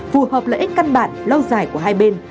phù hợp lợi ích căn bản lâu dài của hai bên